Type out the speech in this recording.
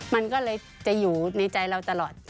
มันก็เลยจะอยู่ในใจเราตลอด